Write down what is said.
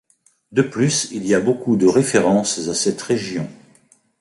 De plus il y a beaucoup de références à cette région.